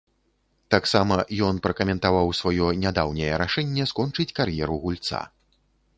Таксама ён пракаментаваў сваё нядаўняе рашэнне скончыць кар'еру гульца.